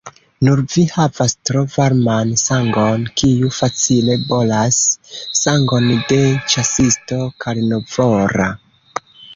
Nur, vi havas tro varman sangon, kiu facile bolas: sangon de ĉasisto karnovora.